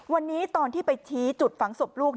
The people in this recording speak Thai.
วันนี้ตอนที่ไปชี้จุดฝังศพลูก